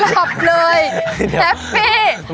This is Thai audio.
หลับเลยแฮปปี้